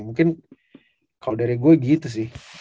mungkin kalau dari gue gitu sih